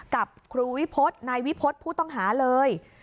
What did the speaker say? กับครูวิพฤษนายวิพฤษผู้ต้องหาเลย